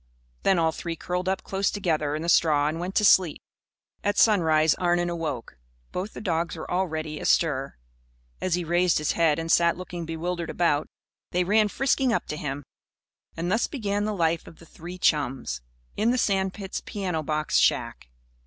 Then all three curled up close together in the straw and went to sleep. At sunrise Arnon awoke. Both the dogs were already astir. As he raised his head and sat looking bewilderedly about, they ran frisking up to him. And thus began the life of the three chums in the sand pit's piano box shack.